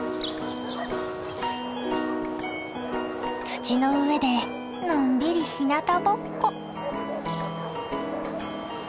土の上でのんびりひなたぼっこ。